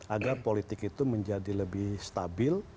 agar politik itu menjadi lebih stabil